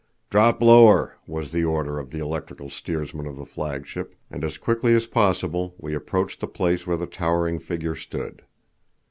"Drop lower," was the order of the electrical steersman of the flagship, and as quickly as possible we approached the place where the towering figure stood.